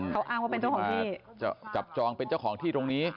เขาอ้างว่าเป็นเจ้าของที่จับจองเป็นเจ้าของที่ตรงนี้